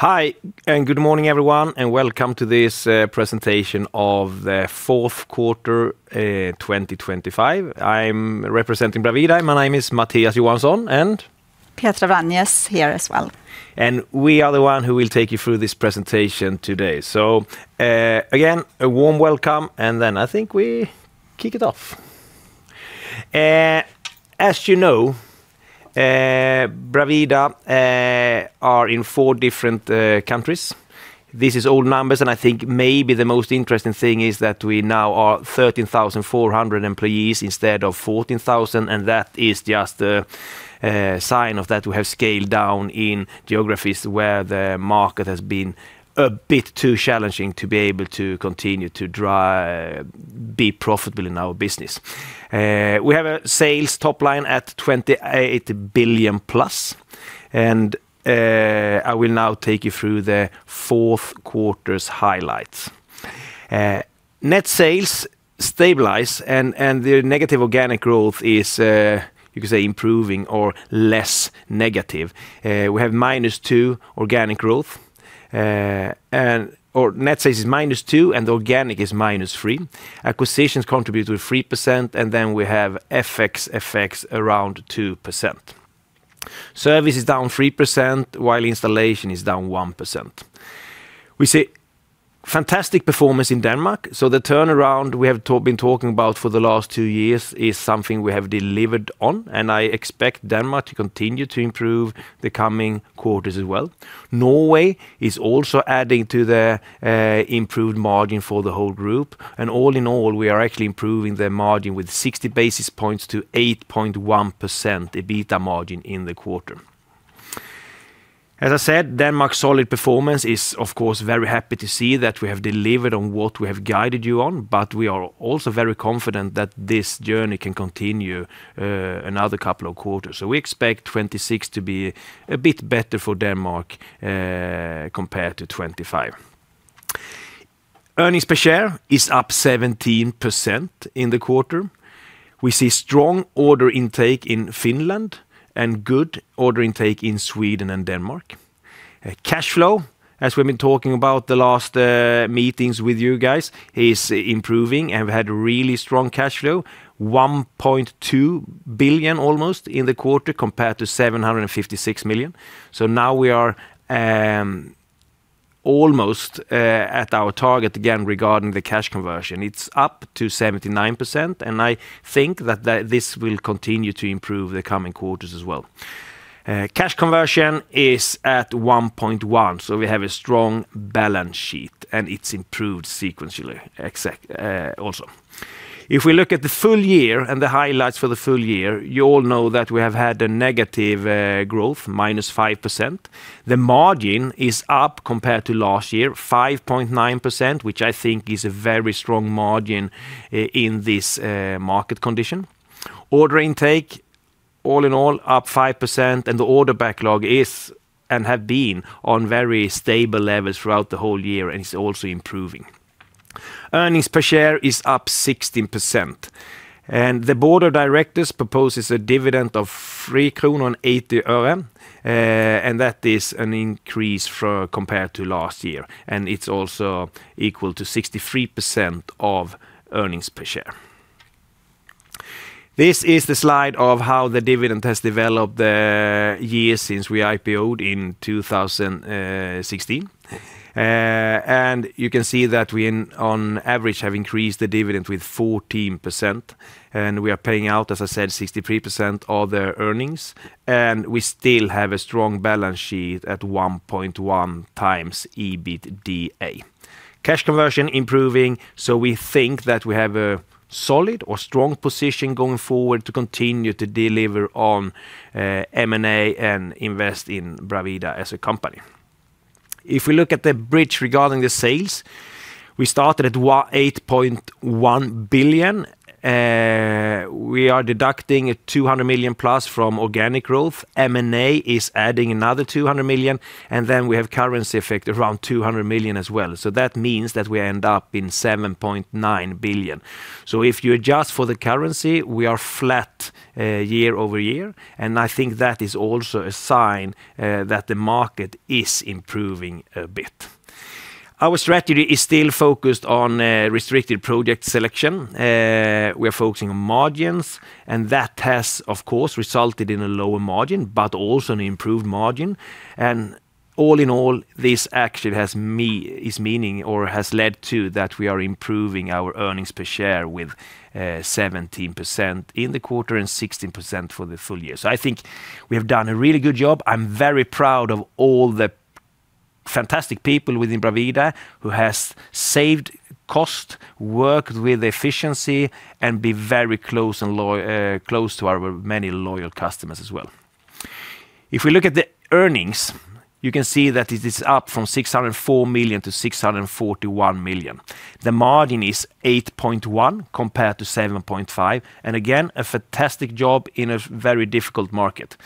Hi, and good morning everyone, and welcome to this presentation of the fourth quarter 2025. I'm representing Bravida. My name is Mattias Johansson, and? Petra Vranjes, here as well. We are the one who will take you through this presentation today. Again, a warm welcome, and then I think we kick it off. As you know, Bravida are in four different countries. This is old numbers, and I think maybe the most interesting thing is that we now are 13,400 employees instead of 14,000, and that is just a sign that we have scaled down in geographies where the market has been a bit too challenging to be able to continue to be profitable in our business. We have a sales top line at 28 billion plus, and I will now take you through the fourth quarter's highlights. Net sales stabilize and the negative organic growth is, you could say, improving or less negative. We have -2% organic growth, and net sales is -2%, and organic is -3%. Acquisitions contribute 3%, and then we have FX, FX around 2%. Service is down 3%, while installation is down 1%. We see fantastic performance in Denmark, so the turnaround we have been talking about for the last two years is something we have delivered on. I expect Denmark to continue to improve the coming quarters as well. Norway is also adding to the improved margin for the whole group, and all in all, we are actually improving the margin with 60 basis points to 8.1%, the EBITA margin in the quarter. As I said, Denmark's solid performance is, of course, very happy to see that we have delivered on what we have guided you on, but we are also very confident that this journey can continue, another couple of quarters. We expect 2026 to be a bit better for Denmark, compared to 2025. Earnings per share is up 17% in the quarter. We see strong order intake in Finland and good order intake in Sweden and Denmark. Cash flow, as we've been talking about the last meetings with you guys, is improving and we've had really strong cash flow, 1.2 billion, almost, in the quarter, compared to 756 million. Now we are, almost, at our target again regarding the cash conversion. It's up to 79%, and I think that this will continue to improve the coming quarters as well. Cash conversion is at 1.1, so we have a strong balance sheet, and it's improved sequentially, also. If we look at the full year and the highlights for the full year, you all know that we have had a negative growth, -5%. The margin is up compared to last year, 5.9%, which I think is a very strong margin in this market condition. Order intake, all in all, up 5%, and the order backlog is, and have been, on very stable levels throughout the whole year and is also improving. Earnings per share is up 16%, and the board of directors proposes a dividend of 3.80 kronor, and that is an increase compared to last year, and it's also equal to 63% of earnings per share. This is the slide of how the dividend has developed the years since we IPO'd in 2016. You can see that we, on average, have increased the dividend with 14%, and we are paying out, as I said, 63% of the earnings, and we still have a strong balance sheet at 1.1x EBITDA. Cash conversion improving, so we think that we have a solid or strong position going forward to continue to deliver on M&A and invest in Bravida as a company. If we look at the bridge regarding the sales, we started at 8.1 billion. We are deducting 200 million plus from organic growth. M&A is adding another 200 million, and then we have currency effect, around 200 million as well. So that means that we end up in 7.9 billion. So if you adjust for the currency, we are flat year-over-year, and I think that is also a sign that the market is improving a bit. Our strategy is still focused on restricted project selection. We are focusing on margins, and that has, of course, resulted in a lower margin, but also an improved margin. All in all, this actually has me—is meaning or has led to that we are improving our earnings per share with, seventeen percent in the quarter and sixteen percent for the full year. I think we have done a really good job. I'm very proud of all the fantastic people within Bravida who have saved cost, worked with efficiency, and been very close and loyal to our many loyal customers as well. If we look at the earnings, you can see that it is up from 604 million to 641 million. The margin is 8.1% compared to 7.5%, and again, a fantastic job in a very difficult market.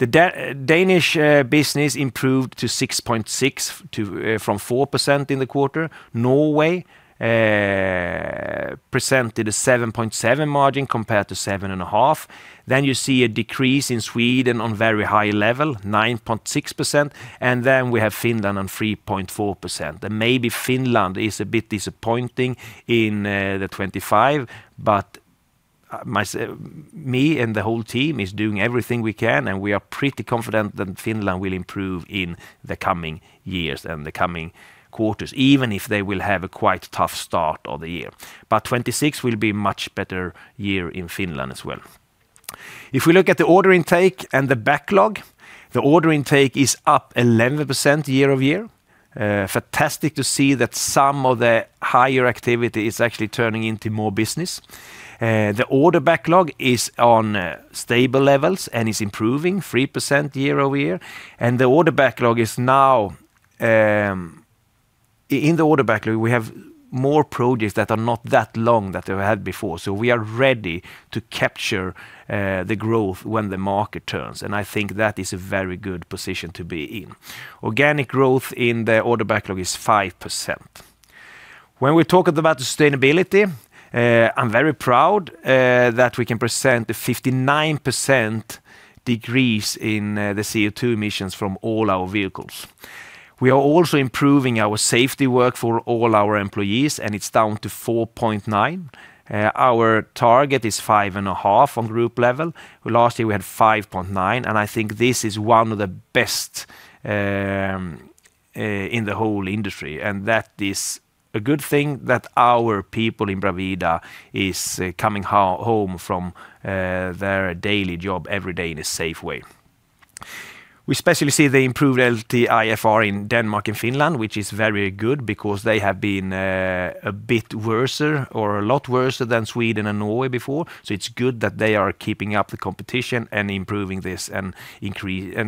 The Danish business improved to 6.6% from 4% in the quarter. Norway presented a 7.7 margin compared to 7.5. Then you see a decrease in Sweden on very high level, 9.6%, and then we have Finland on 3.4%. And maybe Finland is a bit disappointing in 2025, but myself and the whole team is doing everything we can, and we are pretty confident that Finland will improve in the coming years and the coming quarters, even if they will have a quite tough start of the year. But 2026 will be much better year in Finland as well. If we look at the order intake and the backlog, the order intake is up 11% year-over-year. Fantastic to see that some of the higher activity is actually turning into more business. The order backlog is on stable levels and is improving 3% year-over-year, and the order backlog is now, in the order backlog, we have more projects that are not that long that they've had before. We are ready to capture the growth when the market turns, and I think that is a very good position to be in. Organic growth in the order backlog is 5%. When we're talking about sustainability, I'm very proud that we can present a 59% decrease in the CO2 emissions from all our vehicles. We are also improving our safety work for all our employees, and it's down to 4.9. Our target is 5.5 on group level. Last year, we had 5.9, and I think this is one of the best in the whole industry, and that is a good thing, that our people in Bravida is coming home from their daily job every day in a safe way. We especially see the improved LTIFR in Denmark and Finland, which is very good because they have been a bit worser or a lot worser than Sweden and Norway before. So it's good that they are keeping up the competition and improving this and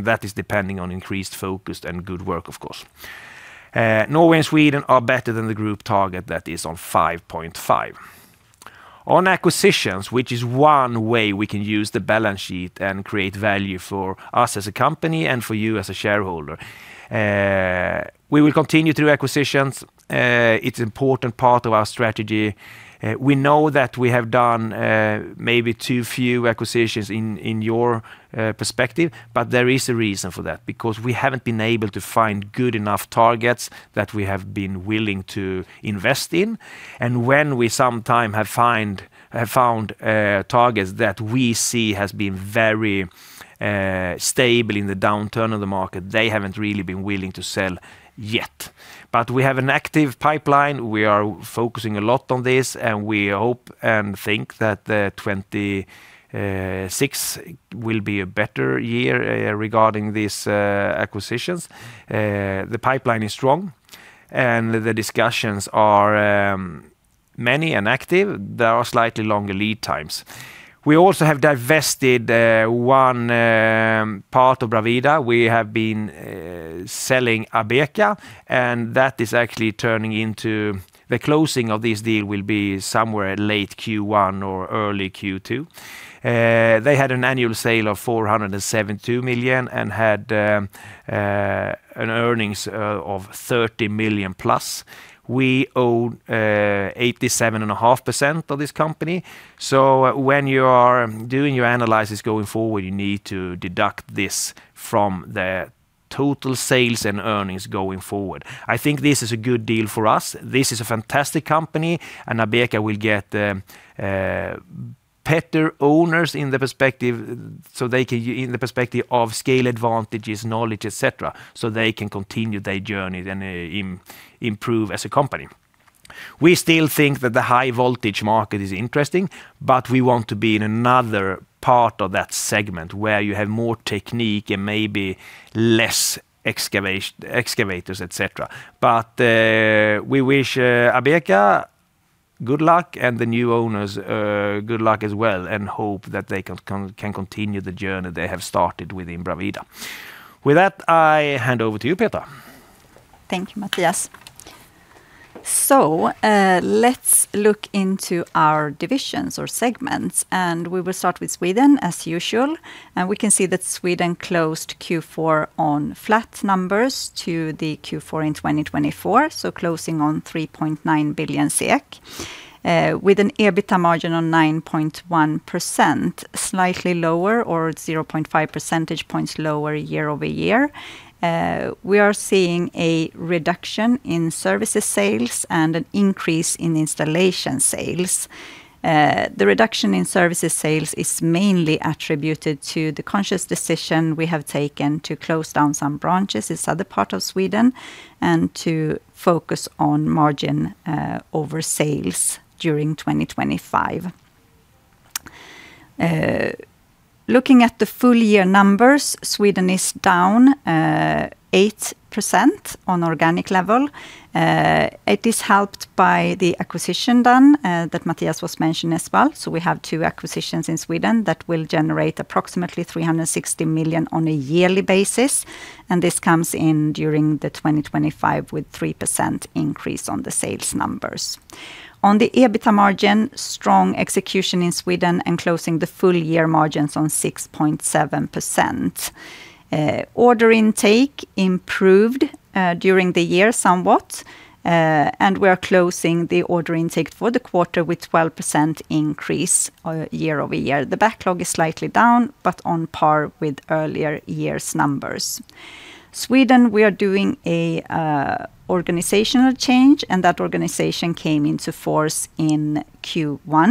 that is depending on increased focus and good work, of course. Norway and Sweden are better than the group target that is on 5.5. On acquisitions, which is one way we can use the balance sheet and create value for us as a company and for you as a shareholder, we will continue to do acquisitions. It's important part of our strategy. We know that we have done, maybe too few acquisitions in, in your perspective, but there is a reason for that, because we haven't been able to find good enough targets that we have been willing to invest in. When we sometime have found, have found, targets that we see has been very stable in the downturn of the market, they haven't really been willing to sell yet. We have an active pipeline. We are focusing a lot on this, and we hope and think that 2026 will be a better year regarding these acquisitions. The pipeline is strong, and the discussions are many and active. There are slightly longer lead times. We also have divested one part of Bravida. We have been selling Abeka, and that is actually turning into... The closing of this deal will be somewhere late Q1 or early Q2. They had an annual sale of 472 million and had an earnings of 30 million plus. We own 87.5% of this company. So when you are doing your analysis going forward, you need to deduct this from the total sales and earnings going forward. I think this is a good deal for us. This is a fantastic company, and Abeka will get better owners in the perspective, so they can, in the perspective of scale advantages, knowledge, et cetera, so they can continue their journey and improve as a company. We still think that the high voltage market is interesting, but we want to be in another part of that segment where you have more technique and maybe less excavators, et cetera. But we wish Abeka good luck, and the new owners good luck as well, and hope that they can continue the journey they have started within Bravida. With that, I hand over to you, Petra. Thank you, Mattias. Let's look into our divisions or segments, and we will start with Sweden, as usual. We can see that Sweden closed Q4 on flat numbers to Q4 in 2024, closing on 3.9 billion SEK, with an EBITDA margin of 9.1%, slightly lower or 0.5 percentage points lower year-over-year. We are seeing a reduction in services sales and an increase in installation sales. The reduction in services sales is mainly attributed to the conscious decision we have taken to close down some branches in the southern part of Sweden and to focus on margin over sales during 2025. Looking at the full-year numbers, Sweden is down 8% on an organic level. It is helped by the acquisition done that Mattias was mentioning as well. We have two acquisitions in Sweden that will generate approximately 360 million on a yearly basis, and this comes in during 2025 with 3% increase on the sales numbers. On the EBITDA margin, strong execution in Sweden and closing the full year margins on 6.7%. Order intake improved during the year somewhat, and we are closing the order intake for the quarter with 12% increase year-over-year. The backlog is slightly down, but on par with earlier years' numbers. Sweden, we are doing a organizational change, and that organization came into force in Q1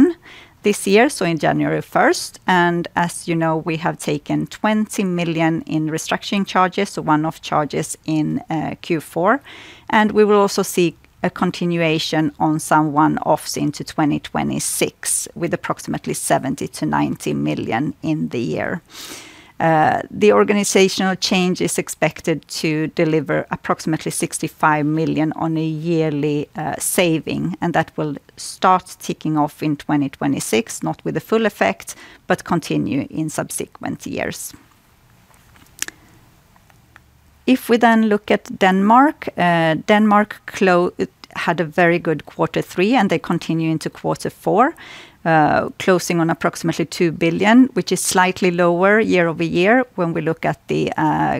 this year, so in January first. And as you know, we have taken 20 million in restructuring charges, so one-off charges in Q4. We will also see a continuation on some one-offs into 2026, with approximately 70 million-90 million in the year. The organizational change is expected to deliver approximately 65 million on a yearly saving, and that will start ticking off in 2026, not with the full effect, but continue in subsequent years. If we then look at Denmark, Denmark had a very good quarter three, and they continue into quarter four, closing on approximately 2 billion, which is slightly lower year-over-year when we look at the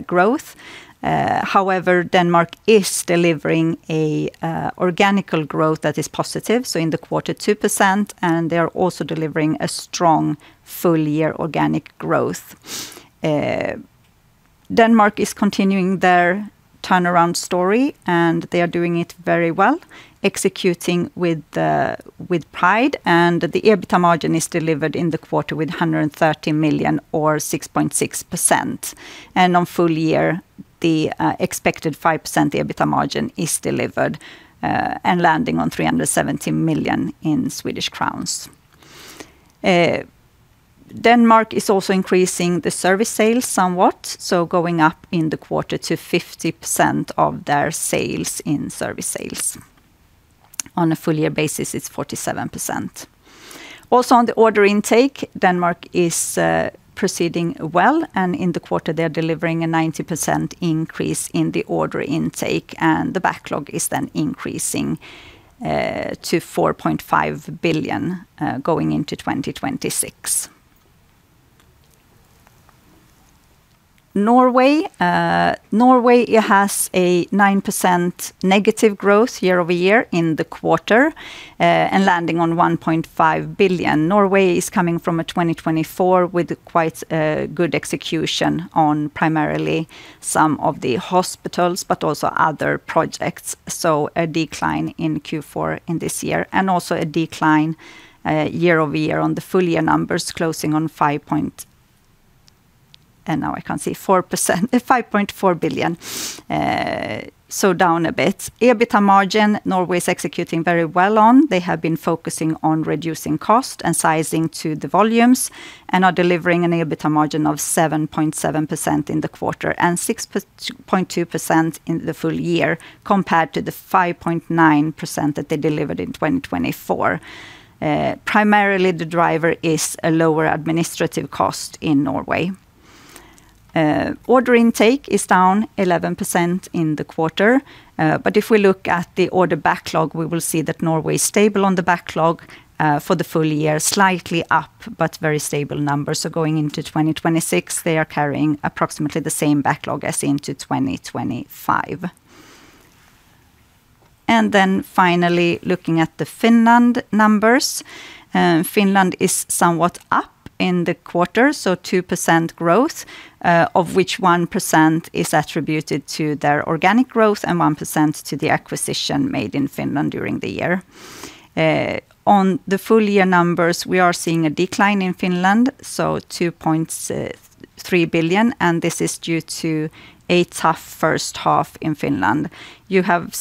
growth. However, Denmark is delivering an organic growth that is positive, so in the quarter, 2%, and they are also delivering a strong full-year organic growth. Denmark is continuing their turnaround story, and they are doing it very well, executing with, with pride, and the EBITA margin is delivered in the quarter with 130 million or 6.6%. And on full year, the, expected 5% EBITA margin is delivered, and landing on 370 million in Swedish crowns. Denmark is also increasing the service sales somewhat, so going up in the quarter to 50% of their sales in service sales. On a full year basis, it's 47%. Also, on the order intake, Denmark is, proceeding well, and in the quarter, they're delivering a 90% increase in the order intake, and the backlog is then increasing, to 4.5 billion, going into 2026. Norway. Norway, it has a 9% negative growth year-over-year in the quarter, and landing on 1.5 billion. Norway is coming from a 2024 with quite, good execution on primarily some of the hospitals, but also other projects, so a decline in Q4 in this year, and also a decline, year-over-year on the full year numbers, closing on 5.4 billion, so down a bit. EBITA margin, Norway is executing very well on. They have been focusing on reducing cost and sizing to the volumes and are delivering an EBITA margin of 7.7% in the quarter and 6.2% in the full year, compared to the 5.9% that they delivered in 2024. Primarily, the driver is a lower administrative cost in Norway. Order intake is down 11% in the quarter, but if we look at the order backlog, we will see that Norway is stable on the backlog for the full year, slightly up, but very stable numbers. So going into 2026, they are carrying approximately the same backlog as into 2025. Then finally, looking at the Finland numbers. Finland is somewhat up in the quarter, so 2% growth, of which 1% is attributed to their organic growth and 1% to the acquisition made in Finland during the year. On the full year numbers, we are seeing a decline in Finland, so 2.3 billion, and this is due to a tough first half in Finland. We have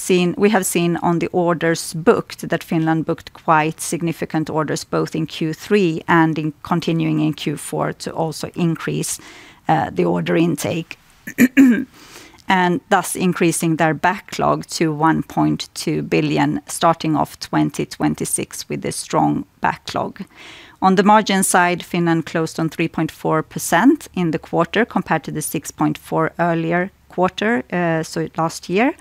seen on the orders booked that Finland booked quite significant orders, both in Q3 and in continuing in Q4, to also increase the order intake, and thus increasing their backlog to 1.2 billion, starting off 2026 with a strong backlog. On the margin side, Finland closed on 3.4% in the quarter compared to the 6.4% earlier quarter, so last year.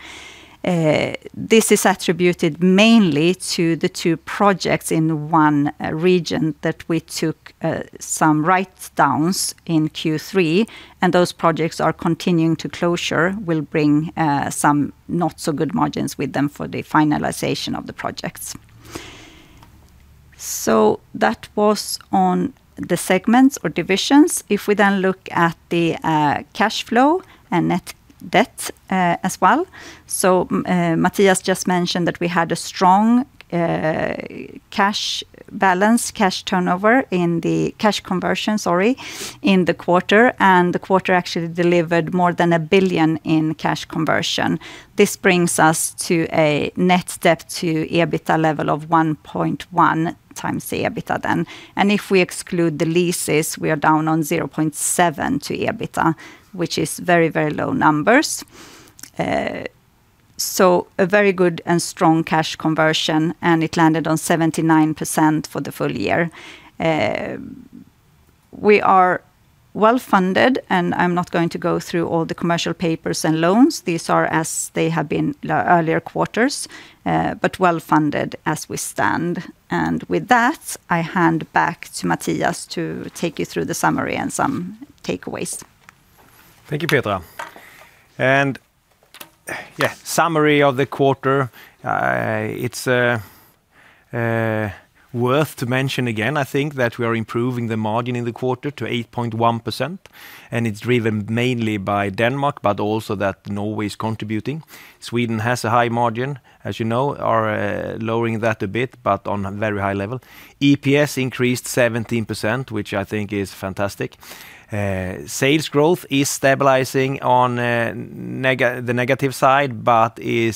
This is attributed mainly to the two projects in one region that we took some write-downs in Q3, and those projects are continuing to closure, will bring some not so good margins with them for the finalization of the projects. So that was on the segments or divisions. If we then look at the cash flow and net debt, as well. Mattias just mentioned that we had a strong cash balance, cash turnover in the cash conversion, sorry, in the quarter, and the quarter actually delivered more than 1 billion in cash conversion. This brings us to a net debt to EBITA level of 1.1x the EBITA then. If we exclude the leases, we are down on 0.7x to EBITA, which is very, very low numbers. A very good and strong cash conversion, and it landed on 79% for the full year. We are well-funded, and I'm not going to go through all the commercial papers and loans. These are as they have been in earlier quarters, but well-funded as we stand. With that, I hand back to Mattias to take you through the summary and some takeaways. Thank you, Petra. Yeah, summary of the quarter, it's worth to mention again, I think that we are improving the margin in the quarter to 8.1%, and it's driven mainly by Denmark, but also that Norway is contributing. Sweden has a high margin, as you know, are lowering that a bit, but on a very high level. EPS increased 17%, which I think is fantastic. Sales growth is stabilizing on the negative side, but we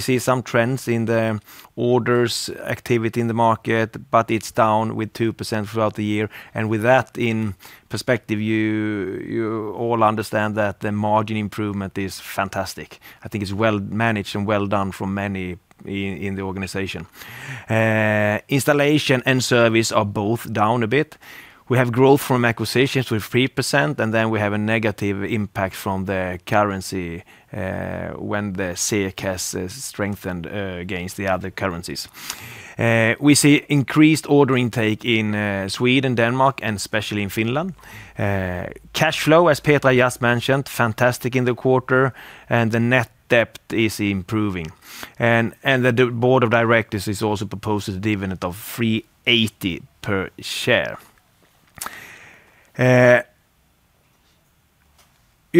see some trends in the orders, activity in the market, but it's down with 2% throughout the year. With that in perspective, you all understand that the margin improvement is fantastic. I think it's well managed and well done for many in the organization. Installation and service are both down a bit. We have growth from acquisitions with 3%, and then we have a negative impact from the currency, when the SEK has strengthened against the other currencies. We see increased order intake in Sweden, Denmark, and especially in Finland. Cash flow, as Petra just mentioned, fantastic in the quarter, and the net debt is improving. The board of directors is also proposed a dividend of 3.80 per share. You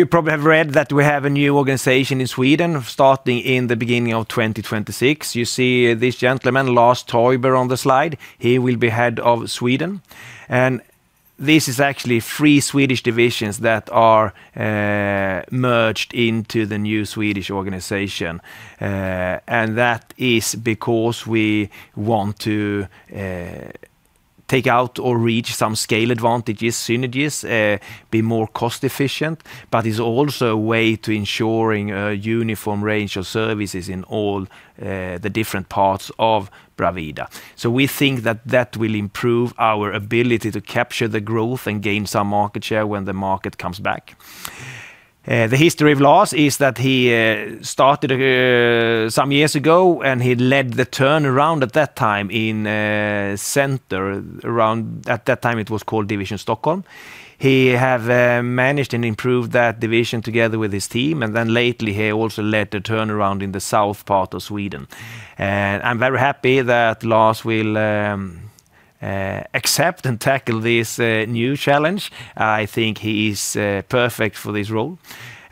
probably have read that we have a new organization in Sweden, starting in the beginning of 2026. You see this gentleman, Lars Täuber, on the slide, he will be Head of Sweden. This is actually 3 Swedish divisions that are merged into the new Swedish organization. That is because we want to take out or reach some scale advantages, synergies, be more cost-efficient, but it is also a way to ensuring a uniform range of services in all the different parts of Bravida. We think that will improve our ability to capture the growth and gain some market share when the market comes back. The history of Lars is that he started some years ago, and he led the turnaround at that time in, center around... At that time, it was called Division Stockholm. He has managed and improved that division together with his team, and then lately, he also led the turnaround in the south part of Sweden. I'm very happy that Lars will accept and tackle this new challenge. I think he is perfect for this role.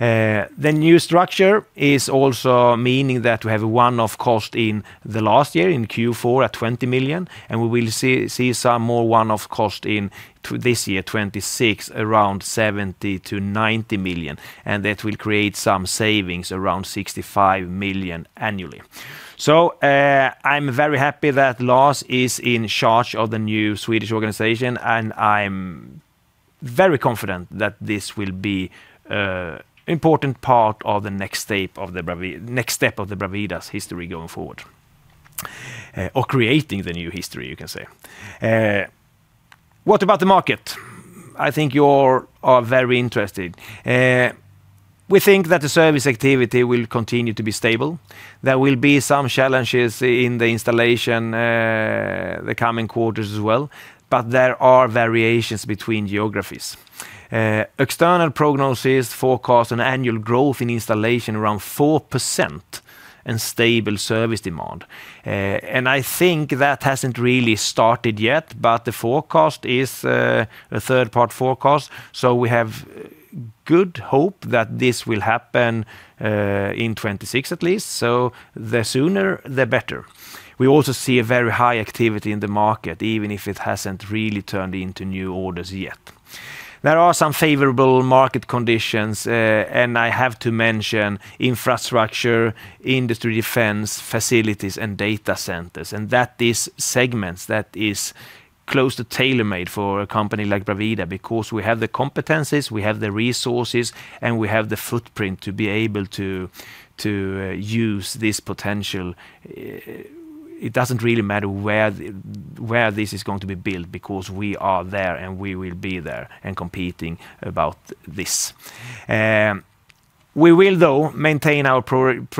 The new structure is also meaning that we have a one-off cost in the last year, in Q4, at 20 million, and we will see some more one-off cost in this year, 2026, around 70-90 million, and that will create some savings, around 65 million annually. So, I'm very happy that Lars is in charge of the new Swedish organization, and I'm very confident that this will be important part of the next step of Bravida's history going forward, or creating the new history, you can say. What about the market? I think you are very interested. We think that the service activity will continue to be stable. There will be some challenges in the installation, the coming quarters as well, but there are variations between geographies. External prognosis forecast an annual growth in installation around 4% and stable service demand. I think that hasn't really started yet, but the forecast is a third-party forecast, so we have good hope that this will happen in 2026 at least. The sooner, the better. We also see a very high activity in the market, even if it hasn't really turned into new orders yet. There are some favorable market conditions, and I have to mention infrastructure, industry defense, facilities, and data centers, and that is segments that is close to tailor-made for a company like Bravida, because we have the competencies, we have the resources, and we have the footprint to be able to use this potential. It doesn't really matter where the, where this is going to be built, because we are there, and we will be there and competing about this. We will, though, maintain our project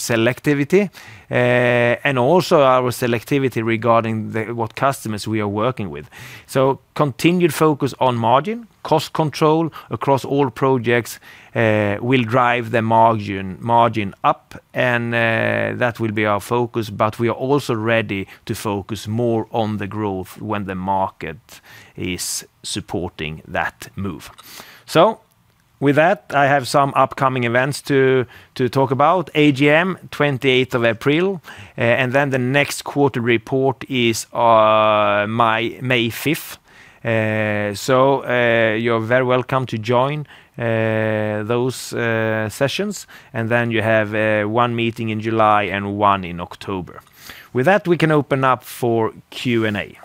selectivity, and also our selectivity regarding the, what customers we are working with. So continued focus on margin, cost control across all projects, will drive the margin up, and, that will be our focus, but we are also ready to focus more on the growth when the market is supporting that move. So with that, I have some upcoming events to talk about. AGM, 28th of April, and then the next quarter report is, May 5th. So, you're very welcome to join those sessions. And then you have one meeting in July and one in October. With that, we can open up for Q&A.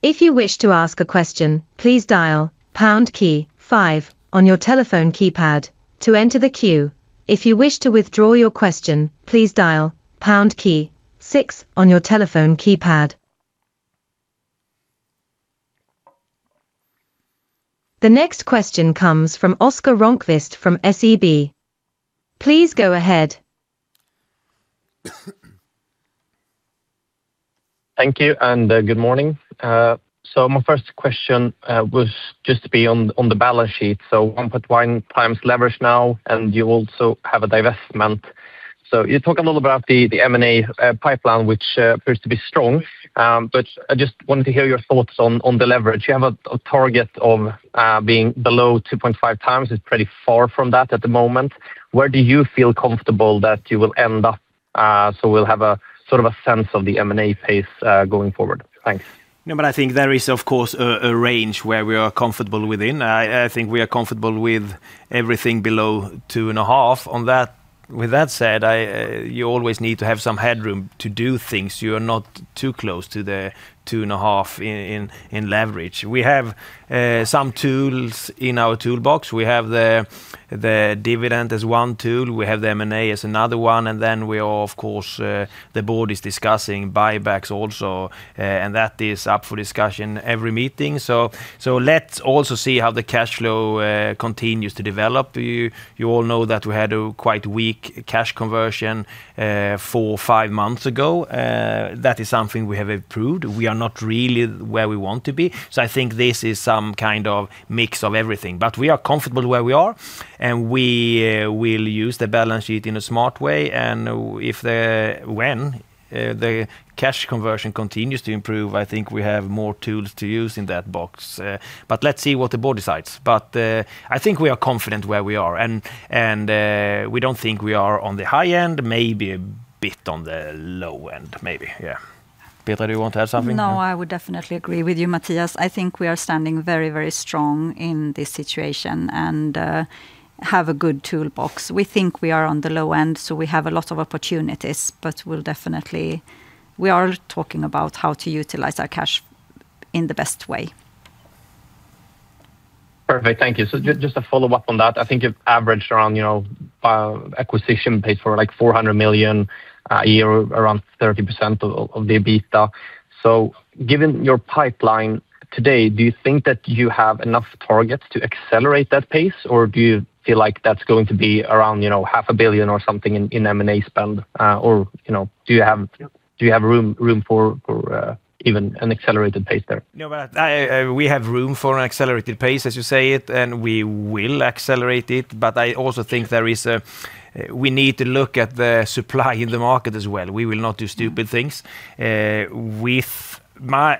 If you wish to ask a question, please dial pound key five on your telephone keypad to enter the queue. If you wish to withdraw your question, please dial pound key six on your telephone keypad. The next question comes from Oscar Rönnkvist from SEB. Please go ahead.... Thank you, and, good morning. So my first question was just to be on, on the balance sheet. So 1.1 times leverage now, and you also have a divestment. So you talk a little about the, the M&A pipeline, which appears to be strong. But I just wanted to hear your thoughts on, on the leverage. You have a, a target of being below 2.5 times. It's pretty far from that at the moment. Where do you feel comfortable that you will end up? So we'll have a sort of a sense of the M&A pace going forward. Thanks. No, I think there is, of course, a range where we are comfortable within. I think we are comfortable with everything below 2.5. With that said, you always need to have some headroom to do things. You are not too close to the 2.5 in leverage. We have some tools in our toolbox. We have the dividend as one tool, we have the M&A as another one, and then we are, of course, the board is discussing buybacks also, and that is up for discussion every meeting. Let's also see how the cash flow continues to develop. You all know that we had a quite weak cash conversion four, five months ago. That is something we have improved. We are not really where we want to be, so I think this is some kind of mix of everything. But we are comfortable where we are, and we will use the balance sheet in a smart way. And if the... when the cash conversion continues to improve, I think we have more tools to use in that box. But let's see what the board decides. But I think we are confident where we are, and we don't think we are on the high end, maybe a bit on the low end. Maybe, yeah. Petra, do you want to add something? No, I would definitely agree with you, Mattias. I think we are standing very, very strong in this situation and have a good toolbox. We think we are on the low end, so we have a lot of opportunities, but we'll definitely... we are talking about how to utilize our cash in the best way. Perfect. Thank you. So just a follow-up on that. I think if averaged around, you know, acquisition pace for, like, 400 million a year, around 30% of the EBITDA. So given your pipeline today, do you think that you have enough targets to accelerate that pace, or do you feel like that's going to be around, you know, 500 million or something in M&A spend? Or, you know, do you have- Yeah ... do you have room, room for, for, even an accelerated pace there? No, we have room for an accelerated pace, as you say it, and we will accelerate it. I also think there is a, we need to look at the supply in the market as well. We will not do stupid things. My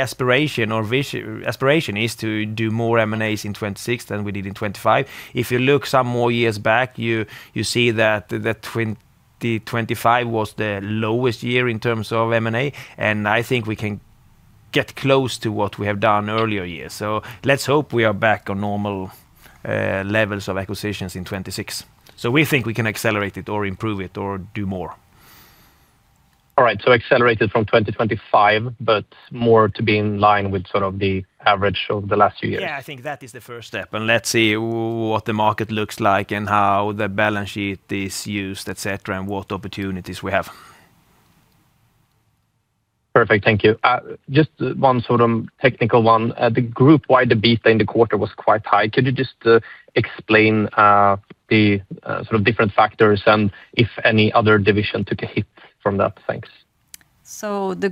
aspiration or vision—aspiration is to do more M&A in 2026 than we did in 2025. If you look some more years back, you see that 2025 was the lowest year in terms of M&A, and I think we can get close to what we have done earlier years. Let's hope we are back on normal levels of acquisitions in 2026. We think we can accelerate it, or improve it, or do more. All right, so accelerated from 2025, but more to be in line with sort of the average of the last few years. Yeah, I think that is the first step, and let's see what the market looks like and how the balance sheet is used, et cetera, and what opportunities we have. Perfect. Thank you. Just one sort of technical one. The group wide, the EBITDA in the quarter was quite high. Could you just explain the sort of different factors and if any other division took a hit from that? Thanks.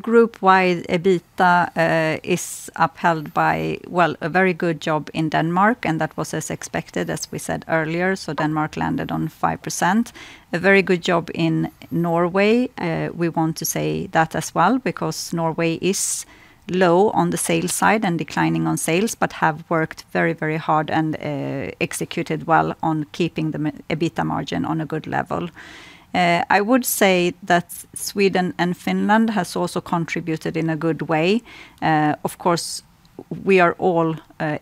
Group wide, EBITDA is upheld by, well, a very good job in Denmark, and that was as expected, as we said earlier, so Denmark landed on 5%. A very good job in Norway. We want to say that as well, because Norway is low on the sales side and declining on sales, but have worked very, very hard and executed well on keeping the EBITDA margin on a good level. I would say that Sweden and Finland has also contributed in a good way. Of course, we are all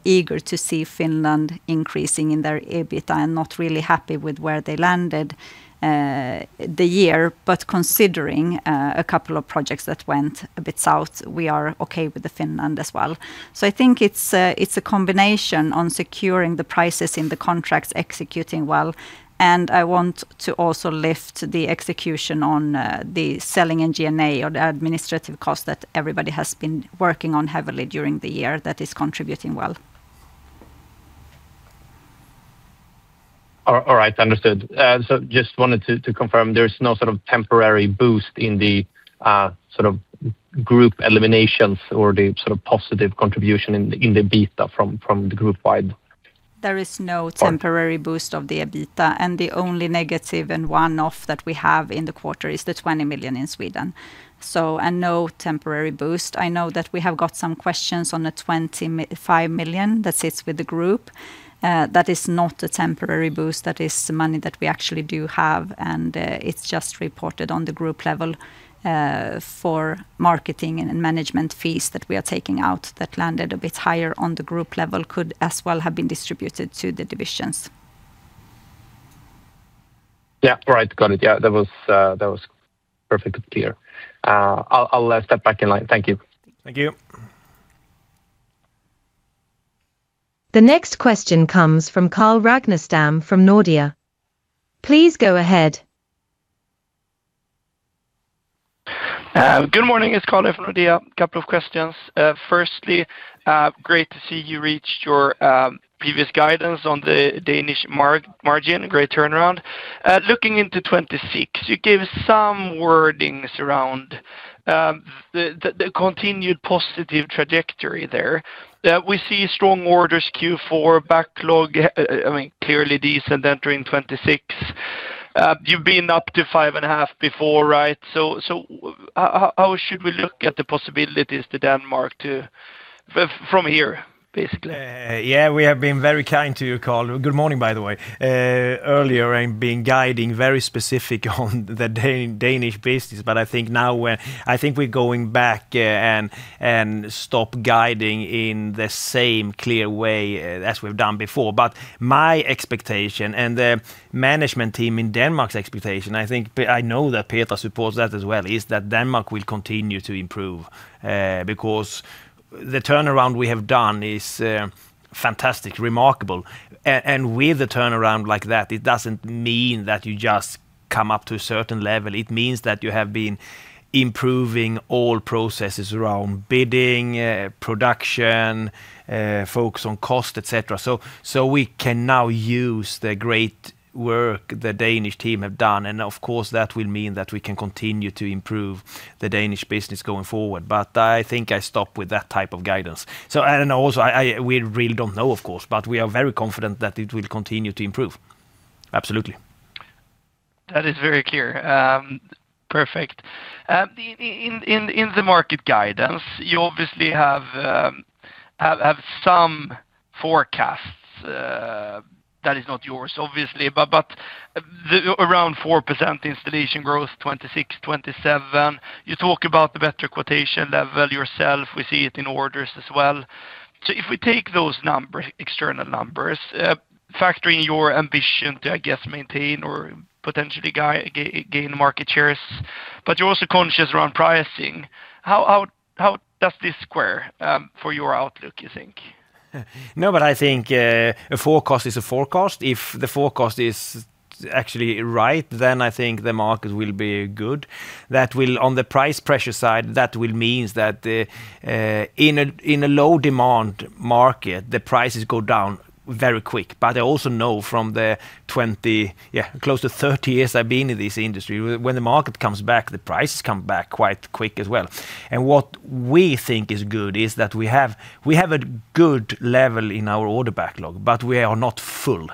eager to see Finland increasing in their EBITDA. I'm not really happy with where they landed the year, but considering a couple of projects that went a bit south, we are okay with the Finland as well. So I think it's a combination on securing the prices in the contracts, executing well, and I want to also lift the execution on the selling in G&A or the administrative costs that everybody has been working on heavily during the year that is contributing well. All right. Understood. So just wanted to confirm, there's no sort of temporary boost in the sort of group eliminations or the sort of positive contribution in the EBITDA from the group wide? There is no temporary- Or-... boost of the EBITDA, and the only negative and one-off that we have in the quarter is the 20 million in Sweden. So and no temporary boost. I know that we have got some questions on the 25 million that sits with the group. That is not a temporary boost. That is money that we actually do have, and it's just reported on the group level for marketing and management fees that we are taking out that landed a bit higher on the group level, could as well have been distributed to the divisions. Yeah. Right. Got it. Yeah, that was, that was perfectly clear. I'll, I'll step back in line. Thank you. Thank you. The next question comes from Carl Ragnerstam, from Nordea. Please go ahead. Good morning, it's Carl from Nordea. A couple of questions. Firstly, great to see you reached your previous guidance on the Danish margin, a great turnaround. Looking into 2026, you gave some wordings around the continued positive trajectory there. I mean, we see strong orders Q4 backlog, I mean, clearly decent entering 2026. You've been up to 5.5 before, right? How should we look at the possibilities to Denmark from here, basically? Yeah, we have been very kind to you, Carl. Good morning, by the way. Earlier, I've been guiding very specific on the Danish business, but I think now we're—I think we're going back, and stop guiding in the same clear way as we've done before. My expectation and the management team in Denmark's expectation, I think, I know that Petra supports that as well, is that Denmark will continue to improve, because the turnaround we have done is fantastic, remarkable. And with a turnaround like that, it doesn't mean that you just come up to a certain level. It means that you have been improving all processes around bidding, production, focus on cost, et cetera. So we can now use the great work the Danish team have done, and of course, that will mean that we can continue to improve the Danish business going forward. But I think I stop with that type of guidance. So and also, we really don't know, of course, but we are very confident that it will continue to improve. Absolutely. That is very clear. Perfect. In the market guidance, you obviously have some forecasts that is not yours, obviously, but the around 4% installation growth, 2026, 2027. You talk about the better quotation level yourself. We see it in orders as well. So if we take those numbers, external numbers, factor in your ambition to, I guess, maintain or potentially gain market shares, but you're also conscious around pricing. How does this square for your outlook, you think? No, but I think, a forecast is a forecast. If the forecast is actually right, then I think the market will be good. That will... On the price pressure side, that will means that the, in a, in a low demand market, the prices go down very quick. But I also know from the 20, yeah, close to 30 years I've been in this industry, when the market comes back, the prices come back quite quick as well. And what we think is good is that we have, we have a good level in our order backlog, but we are not full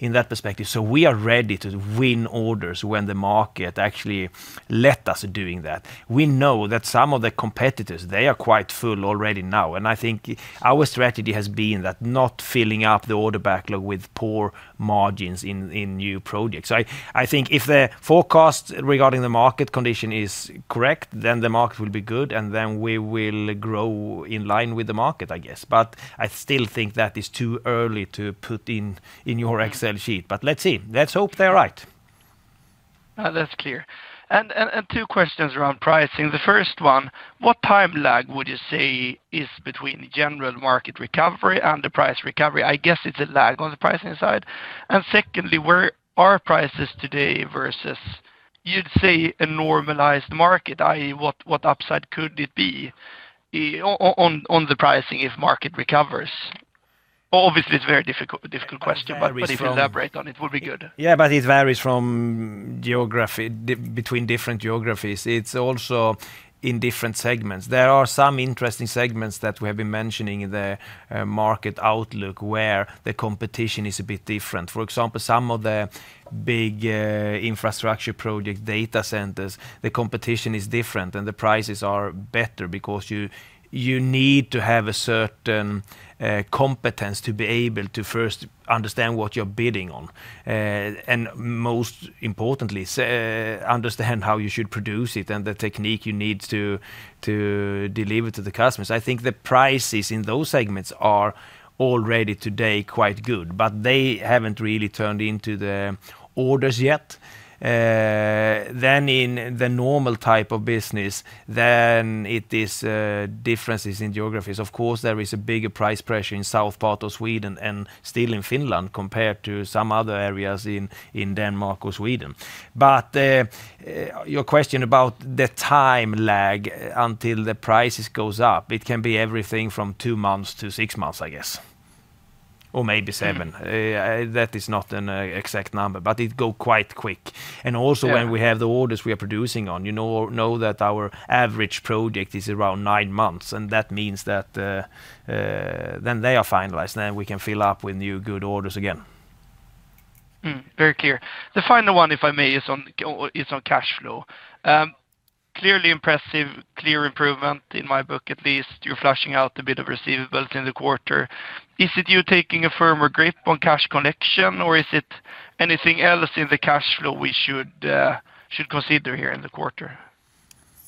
in that perspective, so we are ready to win orders when the market actually let us doing that. We know that some of the competitors, they are quite full already now, and I think our strategy has been that not filling up the order backlog with poor margins in new projects. I think if the forecast regarding the market condition is correct, then the market will be good, and then we will grow in line with the market, I guess. But I still think that is too early to put in your Excel sheet. But let's see. Let's hope they're right. That's clear. And two questions around pricing. The first one, what time lag would you say is between the general market recovery and the price recovery? I guess it's a lag on the pricing side. And secondly, where are prices today versus, you'd say, a normalized market, i.e., what upside could it be on the pricing if market recovers? Obviously, it's very difficult, a difficult question- It varies from- - but if you elaborate on it, it would be good. Yeah, but it varies from geography, between different geographies. It's also in different segments. There are some interesting segments that we have been mentioning in the market outlook, where the competition is a bit different. For example, some of the big infrastructure project data centers, the competition is different and the prices are better because you need to have a certain competence to be able to first understand what you're bidding on. And most importantly, understand how you should produce it and the technique you need to deliver to the customers. I think the prices in those segments are already today quite good, but they haven't really turned into the orders yet. Then in the normal type of business, it is differences in geographies. Of course, there is a bigger price pressure in south part of Sweden and still in Finland compared to some other areas in Denmark or Sweden. But, your question about the time lag until the prices goes up, it can be everything from 2 months to 6 months, I guess, or maybe 7. Mm. That is not an exact number, but it go quite quick. Yeah. And also, when we have the orders we are producing on, you know, our average project is around nine months, and that means that, then they are finalized, then we can fill up with new good orders again. Mm, very clear. The final one, if I may, is on cash flow. Clearly impressive, clear improvement in my book, at least. You're flushing out a bit of receivables in the quarter. Is it you taking a firmer grip on cash collection, or is it anything else in the cash flow we should consider here in the quarter?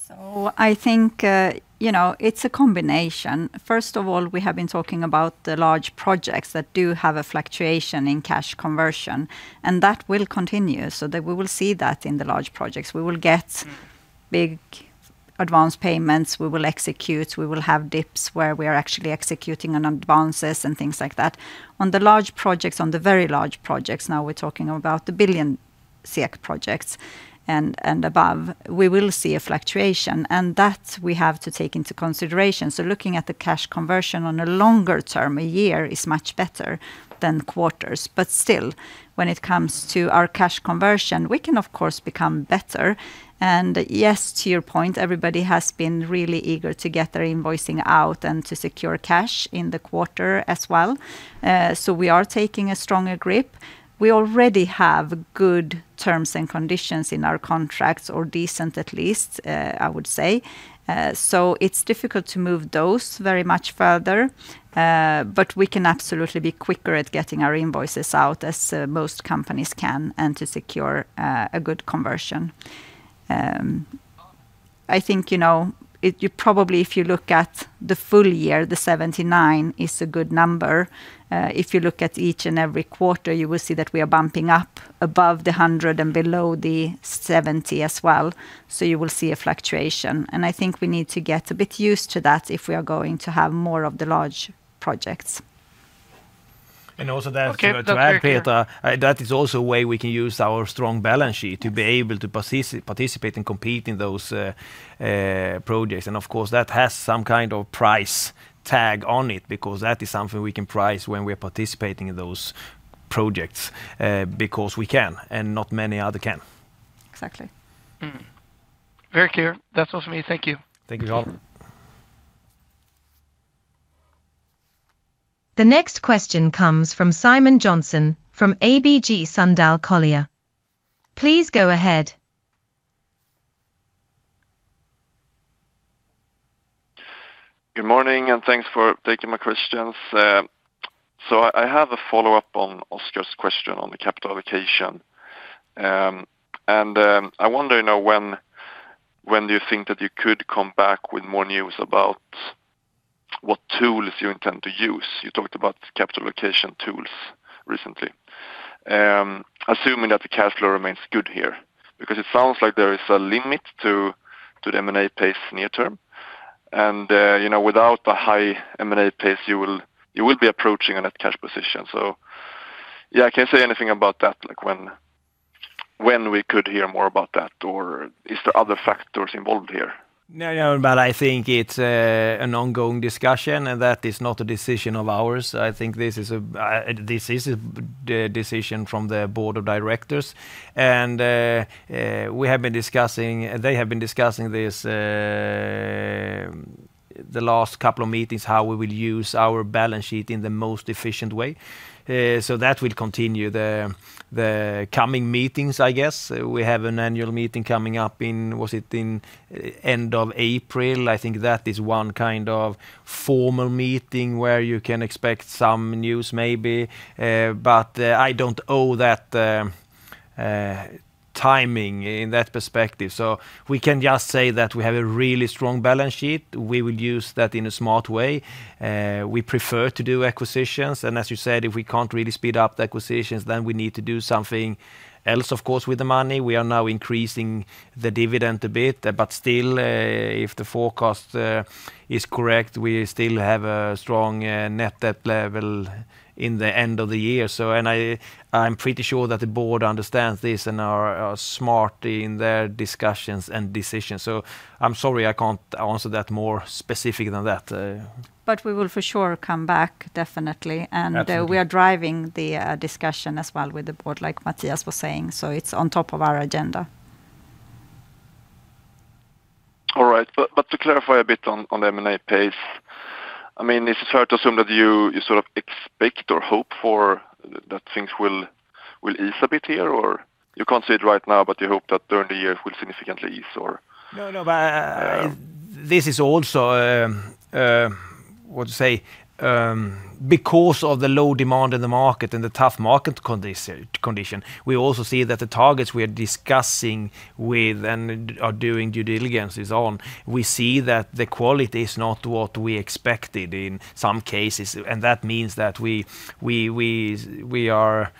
So I think, you know, it's a combination. First of all, we have been talking about the large projects that do have a fluctuation in cash conversion, and that will continue, so that we will see that in the large projects. We will get big advance payments, we will execute, we will have dips where we are actually executing on advances and things like that. On the large projects, on the very large projects, now we're talking about the billion-SEK projects and above, we will see a fluctuation, and that we have to take into consideration. So looking at the cash conversion on a longer term, a year, is much better than quarters. But still, when it comes to our cash conversion, we can of course become better. Yes, to your point, everybody has been really eager to get their invoicing out and to secure cash in the quarter as well. So we are taking a stronger grip. We already have good terms and conditions in our contracts, or decent at least, I would say. It's difficult to move those very much further, but we can absolutely be quicker at getting our invoices out as most companies can, and to secure a good conversion. I think, you know, you probably, if you look at the full year, the 79 is a good number. If you look at each and every quarter, you will see that we are bumping up above the 100 and below the 70 as well. You will see a fluctuation, and I think we need to get a bit used to that if we are going to have more of the large projects. Also to add to that, Petra, that is also a way we can use our strong balance sheet to be able to participate and compete in those projects. Of course, that has some kind of price tag on it, because that is something we can price when we are participating in those projects, because we can, and not many other can. Exactly. Mm-hmm. Very clear. That's all for me. Thank you. Thank you all. The next question comes from Simon Jönsson from ABG Sundal Collier. Please go ahead. Good morning, and thanks for taking my questions. So I have a follow-up on Oscar's question on the capital allocation. I wonder, you know, when do you think that you could come back with more news about what tools you intend to use? You talked about capital allocation tools recently. Assuming that the cash flow remains good here, because it sounds like there is a limit to the M&A pace near term, and you know, without the high M&A pace, you will be approaching a net cash position. So, yeah, can you say anything about that, like, when we could hear more about that, or is there other factors involved here? No, no, but I think it's an ongoing discussion, and that is not a decision of ours. I think this is a decision from the board of directors. And we have been discussing—they have been discussing this, the last couple of meetings, how we will use our balance sheet in the most efficient way. So that will continue the coming meetings, I guess. We have an annual meeting coming up in, was it the end of April? I think that is one kind of formal meeting where you can expect some news maybe, but I don't know that timing in that perspective. So we can just say that we have a really strong balance sheet. We will use that in a smart way. We prefer to do acquisitions, and as you said, if we can't really speed up the acquisitions, then we need to do something else, of course, with the money. We are now increasing the dividend a bit, but still, if the forecast is correct, we still have a strong net debt level in the end of the year. So, I'm pretty sure that the board understands this and are smart in their discussions and decisions. So I'm sorry, I can't answer that more specifically than that. We will for sure come back, definitely. Absolutely. We are driving the discussion as well with the board, like Mattias was saying, so it's on top of our agenda. All right. But to clarify a bit on the M&A pace, I mean, is it fair to assume that you sort of expect or hope for that things will ease a bit here, or? You can't see it right now, but you hope that during the year it will significantly ease or- No, no, but- Yeah... this is also, what to say? Because of the low demand in the market and the tough market condition, we also see that the targets we are discussing with and are doing due diligence is on. We see that the quality is not what we expected in some cases, and that means that we are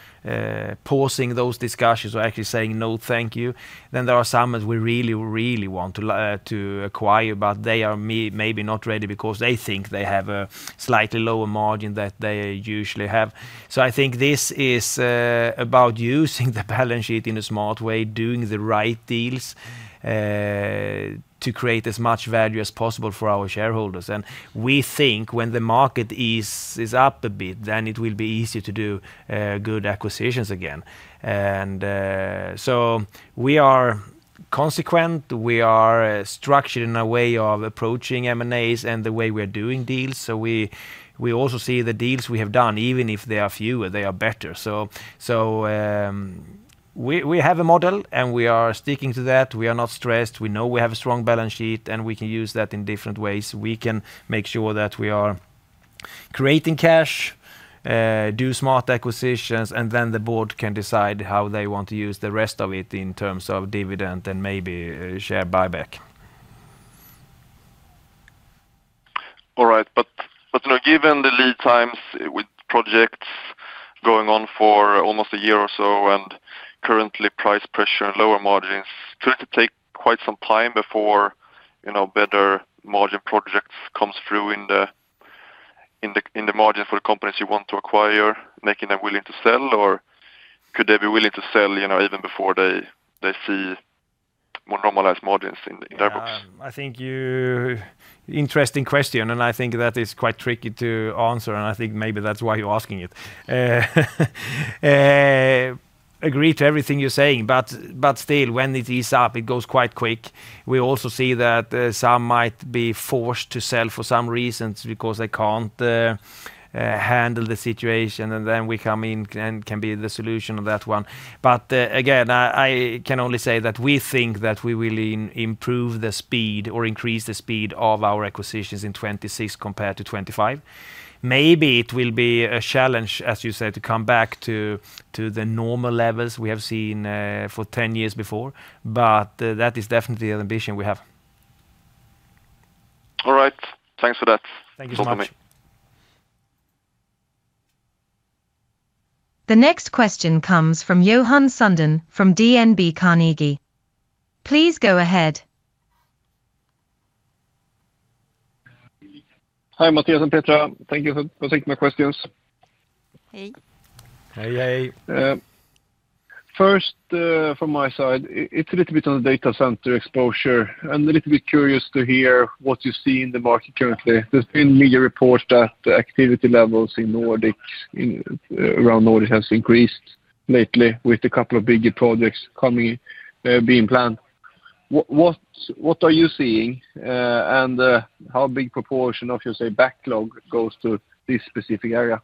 pausing those discussions or actually saying, "No, thank you." Then there are some that we really, really want to acquire, but they are maybe not ready because they think they have a slightly lower margin than they usually have. So I think this is about using the balance sheet in a smart way, doing the right deals to create as much value as possible for our shareholders. And we think when the market is up a bit, then it will be easy to do good acquisitions again. And so we are consequent, we are structured in a way of approaching M&As and the way we are doing deals, so we also see the deals we have done. Even if they are fewer, they are better. So we have a model, and we are sticking to that. We are not stressed. We know we have a strong balance sheet, and we can use that in different ways. We can make sure that we are creating cash, do smart acquisitions, and then the board can decide how they want to use the rest of it in terms of dividend and maybe share buyback. All right, but, you know, given the lead times with projects going on for almost a year or so, and currently price pressure and lower margins, could it take quite some time before, you know, better margin projects comes through in the margin for the companies you want to acquire, making them willing to sell? Or could they be willing to sell, you know, even before they see more normalized margins in their books? I think you—interesting question, and I think that is quite tricky to answer, and I think maybe that's why you're asking it. I agree to everything you're saying, but still, when it is up, it goes quite quick. We also see that some might be forced to sell for some reasons because they can't handle the situation, and then we come in and can be the solution of that one. Again, I can only say that we think that we will improve the speed or increase the speed of our acquisitions in 2026 compared to 2025. Maybe it will be a challenge, as you said, to come back to the normal levels we have seen for 10 years before, but that is definitely the ambition we have. All right. Thanks for that. Thank you so much. Welcome. The next question comes from Johan Sundén from DNB Carnegie. Please go ahead. Hi, Mattias and Petra. Thank you for taking my questions. Hey. Hey, hey. First, from my side, it's a little bit on the data center exposure. I'm a little bit curious to hear what you see in the market currently. There's been media reports that the activity levels in Nordic, around Nordic has increased lately with a couple of bigger projects coming in, being planned. What are you seeing, and how big proportion of your, say, backlog goes to this specific area?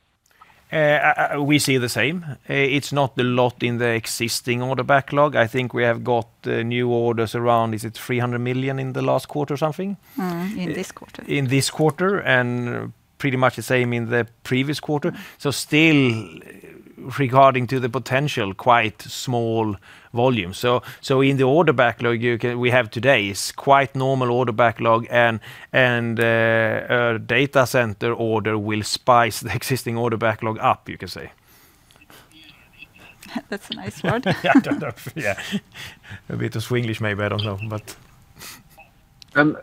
We see the same. It's not a lot in the existing order backlog. I think we have got new orders around 300 million in the last quarter or something? Mm-hmm, in this quarter. In this quarter, and pretty much the same in the previous quarter. So still, regarding to the potential, quite small volume. So, so in the order backlog, you can... we have today is quite normal order backlog and, and, a data center order will spice the existing order backlog up, you can say. That's a nice word. I don't know. Yeah. A bit of Swenglish maybe, I don't know, but... And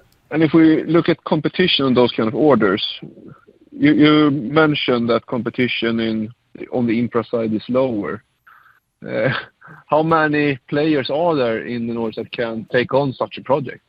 if we look at competition on those kind of orders, you mentioned that competition in, on the infra side is lower. How many players are there in the Nordics that can take on such a project?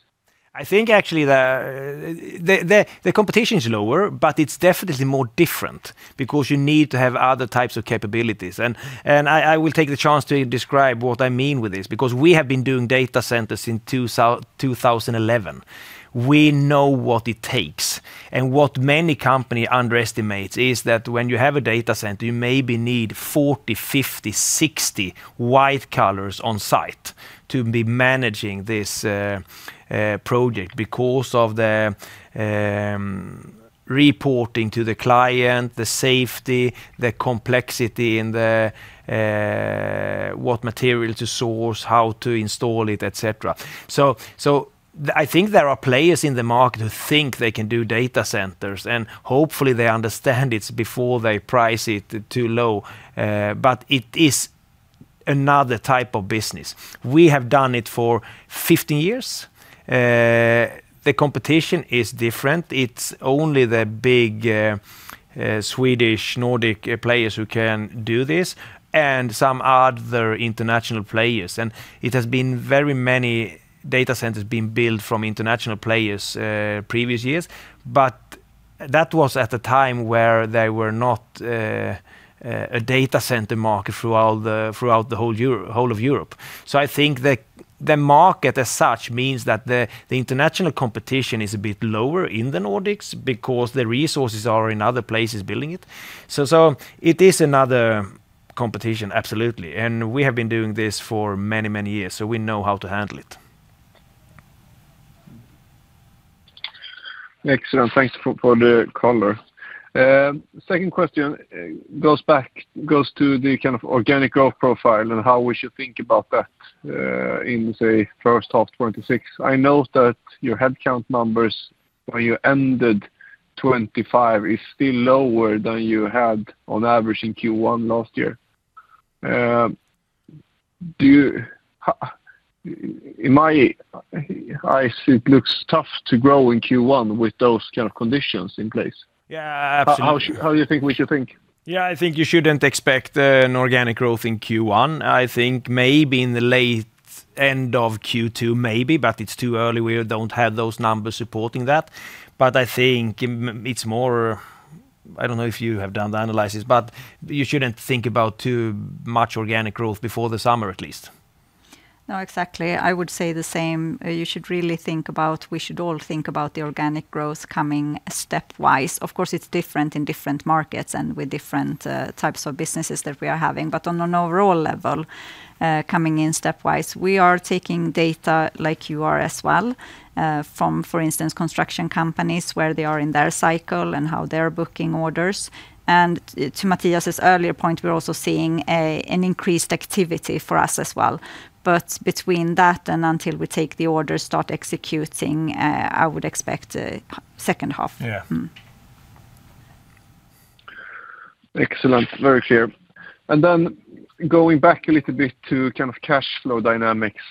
I think actually the competition is lower, but it's definitely more different because you need to have other types of capabilities. And I will take the chance to describe what I mean with this, because we have been doing data centers since 2011. We know what it takes, and what many company underestimates is that when you have a data center, you maybe need 40, 50, 60 white collars on site to be managing this project because of the reporting to the client, the safety, the complexity, and the what material to source, how to install it, et cetera. So I think there are players in the market who think they can do data centers, and hopefully they understand it before they price it too low, but it is another type of business. We have done it for 15 years. The competition is different. It's only the big Swedish Nordic players who can do this and some other international players. And it has been very many data centers being built from international players previous years, but that was at the time where there were not a data center market throughout the whole of Europe. So I think the market as such means that the international competition is a bit lower in the Nordics because the resources are in other places building it. So it is another competition, absolutely, and we have been doing this for many, many years, so we know how to handle it. Excellent. Thanks for the color. Second question goes back to the kind of organic growth profile and how we should think about that in, say, first half 2026. I know that your headcount numbers, where you ended 2025, is still lower than you had on average in Q1 last year. In my eyes, it looks tough to grow in Q1 with those kind of conditions in place. Yeah, absolutely. How you think we should think? Yeah, I think you shouldn't expect an organic growth in Q1. I think maybe in the late end of Q2, maybe, but it's too early. We don't have those numbers supporting that. But I think it's more... I don't know if you have done the analysis, but you shouldn't think about too much organic growth before the summer, at least. No, exactly. I would say the same. You should really think about. We should all think about the organic growth coming stepwise. Of course, it's different in different markets and with different types of businesses that we are having, but on an overall level, coming in stepwise, we are taking data like you are as well from, for instance, construction companies, where they are in their cycle and how they're booking orders. And to Mattias's earlier point, we're also seeing an increased activity for us as well. But between that and until we take the order, start executing, I would expect second half. Yeah. Mm-hmm. Excellent. Very clear. And then going back a little bit to kind of cash flow dynamics.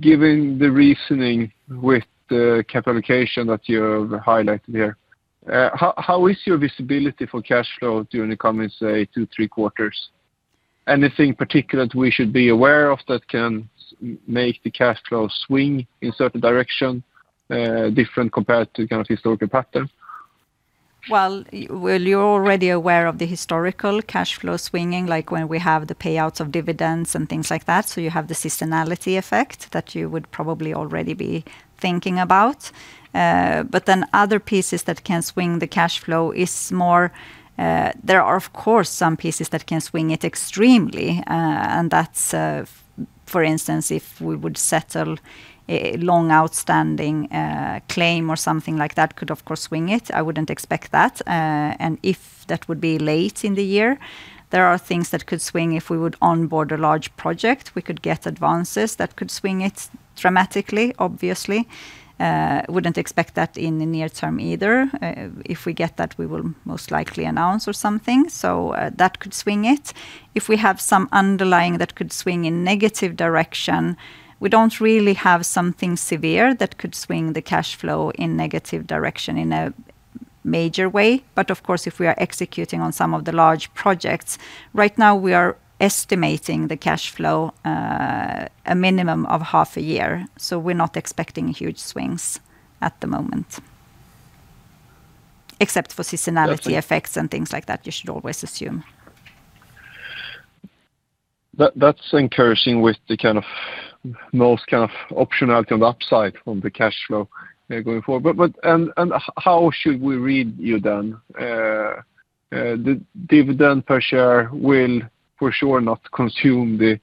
Given the reasoning with the capital allocation that you have highlighted here, how is your visibility for cash flow during the coming, say, two, three quarters? Anything particular that we should be aware of that can make the cash flow swing in certain direction, different compared to kind of historical pattern? Well, you're already aware of the historical cash flow swinging, like when we have the payouts of dividends and things like that, so you have the seasonality effect that you would probably already be thinking about. But then other pieces that can swing the cash flow is more, there are, of course, some pieces that can swing it extremely, and that's, for instance, if we would settle a long outstanding claim or something like that, could of course swing it. I wouldn't expect that. And if that would be late in the year, there are things that could swing. If we would onboard a large project, we could get advances that could swing it dramatically, obviously. Wouldn't expect that in the near term either. If we get that, we will most likely announce or something, so, that could swing it. If we have some underlying that could swing in negative direction, we don't really have something severe that could swing the cash flow in negative direction in a major way. But of course, if we are executing on some of the large projects, right now, we are estimating the cash flow, a minimum of half a year, so we're not expecting huge swings at the moment. Except for seasonality effects. That's-... and things like that, you should always assume. That, that's encouraging with the kind of most kind of optionality on the upside from the cash flow, going forward. But, but, and, and how should we read you then? The dividend per share will for sure not consume the,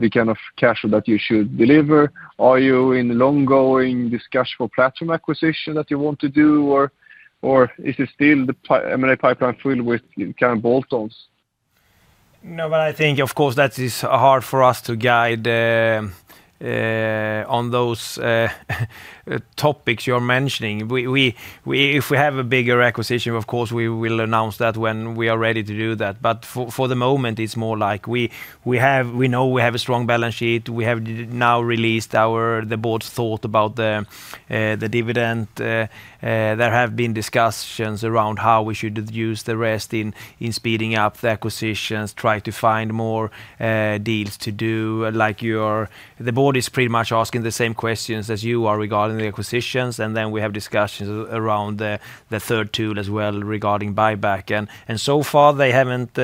the kind of cash flow that you should deliver. Are you in ongoing discussion for platform acquisition that you want to do, or, or is it still the, I mean, the pipeline filled with kind of bolt-ons? No, but I think, of course, that is hard for us to guide on those topics you're mentioning. If we have a bigger acquisition, of course, we will announce that when we are ready to do that. But for the moment, it's more like we know we have a strong balance sheet. We have now released our... the board's thought about the dividend. There have been discussions around how we should use the rest in speeding up the acquisitions, try to find more deals to do, like you're... The board is pretty much asking the same questions as you are regarding the acquisitions, and then we have discussions around the third tool as well, regarding buyback. So far, they haven't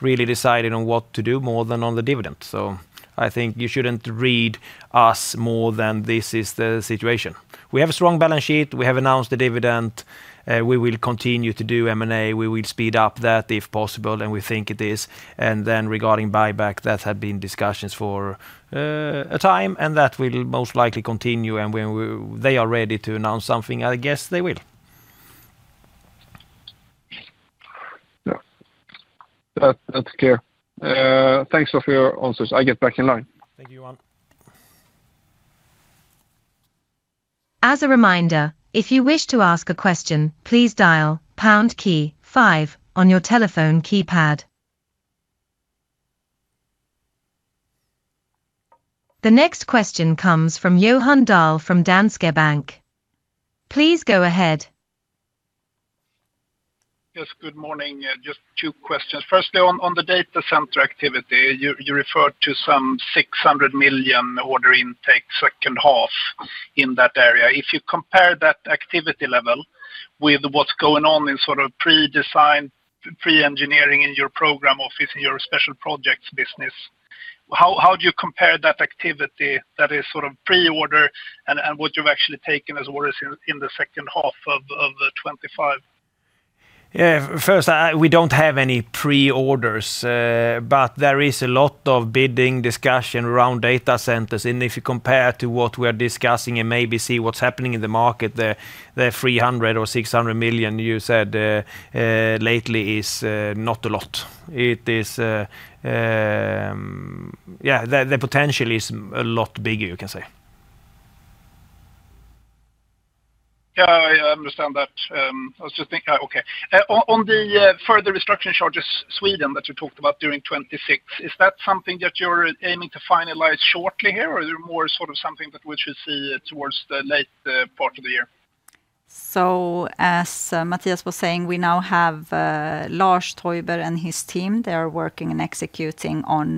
really decided on what to do more than on the dividend. So I think you shouldn't read us more than this is the situation. We have a strong balance sheet. We have announced the dividend. We will continue to do M&A. We will speed up that, if possible, and we think it is. And then regarding buyback, that had been discussions for a time, and that will most likely continue, and when they are ready to announce something, I guess they will. Yeah. That, that's clear. Thanks for your answers. I get back in line. Thank you, Johan. As a reminder, if you wish to ask a question, please dial pound key five on your telephone keypad. The next question comes from Johan Dahl from Danske Bank. Please go ahead. Yes, good morning. Just two questions. Firstly, on the data center activity, you referred to some 600 million order intake second half in that area. If you compare that activity level with what's going on in sort of pre-designed, pre-engineering in your program office, in your Special Projects business, how do you compare that activity that is sort of pre-order and what you've actually taken as orders in the second half of 2025? Yeah. First, we don't have any pre-orders, but there is a lot of bidding discussion around data centers. If you compare to what we are discussing and maybe see what's happening in the market, the 300 million or 600 million you said lately is not a lot. It is... Yeah, the potential is a lot bigger, you can say. Yeah, I understand that. I was just thinking, okay. On the further restructuring charges, Sweden, that you talked about during 2026, is that something that you're aiming to finalize shortly here, or is there more sort of something that we should see towards the late part of the year? So, as Mattias was saying, we now have Lars Täuber and his team. They are working and executing on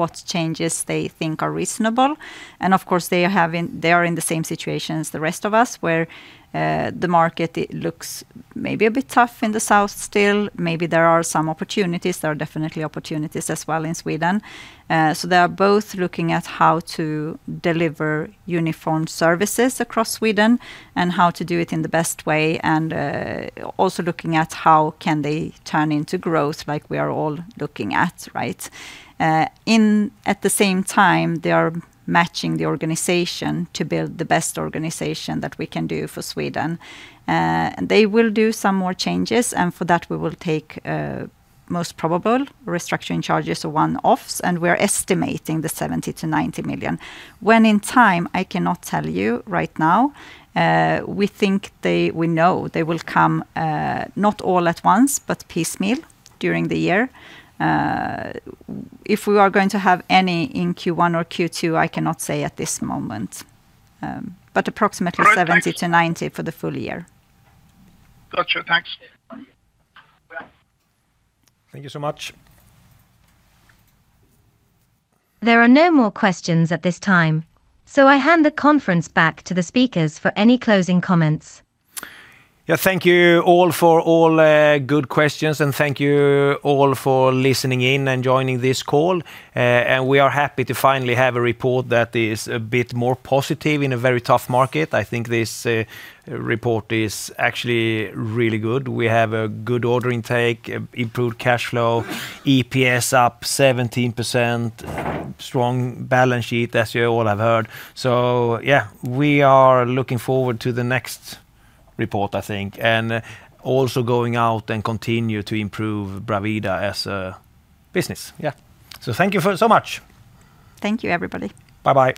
what changes they think are reasonable, and of course they are in the same situation as the rest of us, where the market, it looks maybe a bit tough in the south still. Maybe there are some opportunities. There are definitely opportunities as well in Sweden. So they are both looking at how to deliver uniform services across Sweden and how to do it in the best way, and also looking at how can they turn into growth like we are all looking at, right? At the same time, they are matching the organization to build the best organization that we can do for Sweden. They will do some more changes, and for that, we will take most probable restructuring charges or one-offs, and we are estimating 70 million-90 million. When in time? I cannot tell you right now. We think they... We know they will come, not all at once, but piecemeal during the year. If we are going to have any in Q1 or Q2, I cannot say at this moment. But approximately- All right. Thank you.... 70-90 for the full year. Gotcha. Thanks. Thank you so much. There are no more questions at this time, so I hand the conference back to the speakers for any closing comments. Yeah, thank you all for all good questions, and thank you all for listening in and joining this call. And we are happy to finally have a report that is a bit more positive in a very tough market. I think this report is actually really good. We have a good order intake, improved cash flow, EPS up 17%, strong balance sheet, as you all have heard. So yeah, we are looking forward to the next report, I think, and also going out and continue to improve Bravida as a business. Yeah. So thank you for so much. Thank you, everybody. Bye-bye.